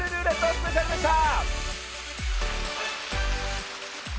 スペシャルでした。